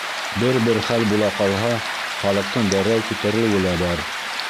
Бер-бер хәл була ҡалһа, халыҡтың дәррәү күтәрелеүе лә бар.